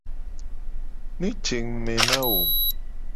Ne je ngku me na wo.